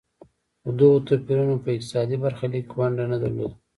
خو دغو توپیرونو په اقتصادي برخلیک کې ونډه نه ده لرلې.